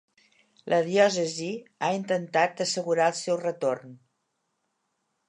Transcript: La diòcesi ha intentat assegurar el seu retorn.